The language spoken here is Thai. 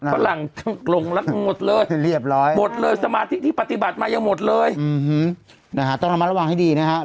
พระหรั่งหลงลักษณ์หมดเลยหมดเลยสมาธิที่ปฏิบัติมายังหมดเลยถ้าต้องทำมาระวังให้ดีนะครับ